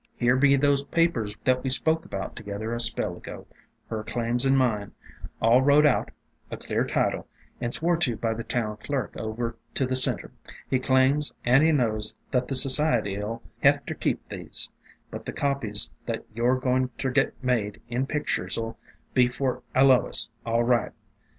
"Here be those papers that we spoke about to gether a spell ago, her claims and mine, all wrote out, a clear title, and swore to by the town clerk over to the Center. He claims — and he knows — TJt THE DRAPERY OF VINES 2QQ that the Society '11 hev ter keep these, but the copies that you 're goin' ter get made in pictures '11 .be for A lois all right.